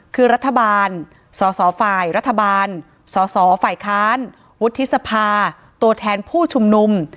คือรัฐบาลสอสอฝ่ายรัฐบาลสสฝ่ายค้านวุฒิสภาตัวแทนผู้ชุมนุม